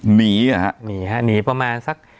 หนีหรอครับ